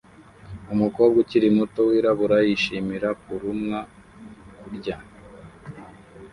Umukobwa ukiri muto wirabura yishimira kurumwa kurya